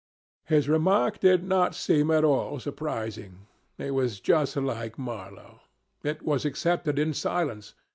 His remark did not seem at all surprising. It was just like Marlow. It was accepted in silence.